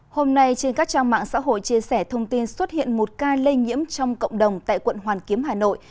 hôm nay trên các trang mạng xã hội chia sẻ thông tin xuất hiện một ca lây nhiễm trong cộng đồng tại quận hoàn kiếm hà nội